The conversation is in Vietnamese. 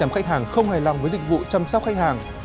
hai mươi hai khách hàng không hài lòng với dịch vụ chăm sóc khách hàng